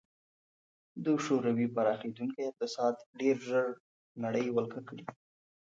د شوروي پراخېدونکی اقتصاد ډېر ژر نړۍ ولکه کړي